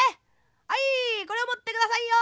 はいこれをもってくださいよ」。